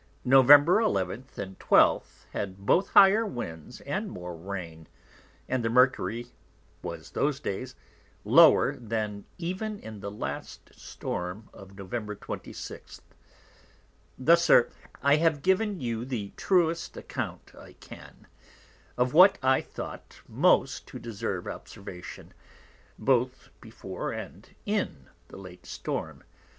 November 11th and 12th had both higher Winds and more Rain; and the ☿ was those Days lower than even in the last Storm of November 26_th_. Thus, Sir, I have given you the truest Account I can, of what I thought most to deserve Observation, both before, and in the late Storm.